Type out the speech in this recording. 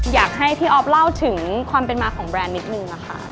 อยากให้พี่อ๊อฟเล่าถึงความเป็นมาของแบรนด์นิดนึงค่ะ